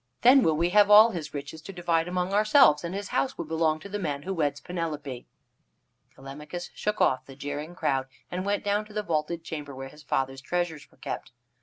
Then will we have all his riches to divide among ourselves, and his house will belong to the man who weds Penelope." Telemachus shook off the jeering crowd, and went down to the vaulted chamber where his father's treasures were kept.